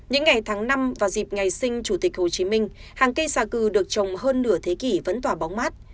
những ngày tháng năm và dịp ngày sinh chủ tịch hồ chí minh hàng cây xà cừ được trồng hơn nửa thế kỷ vẫn tỏa bóng mát